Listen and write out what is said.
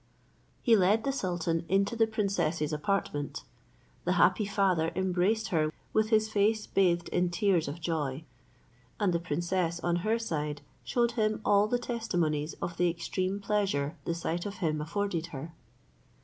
He led the sultan into the princess's apartment. The happy father embraced her with his face bathed in tears of joy; and the princess, on her side, shewed him all the testimonies of the extreme pleasure the sight of him afforded her.